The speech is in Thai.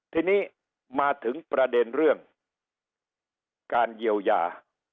ทีนี้มาถึงประเด็นเรื่องการเยียวยา